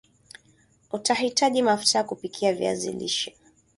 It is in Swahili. Utahitaji mafuta ya kupikia viazi lishe